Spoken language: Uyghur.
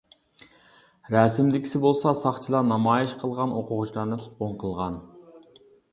رەسىمدىكىسى بولسا ساقچىلار نامايىش قىلغان ئوقۇغۇچىلارنى تۇتقۇن قىلغان.